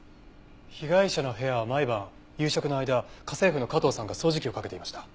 被害者の部屋は毎晩夕食の間家政婦の加藤さんが掃除機をかけていました。